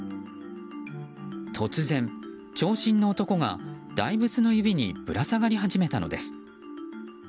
突然、長身の男が大仏の指にぶら下がり始めたのです。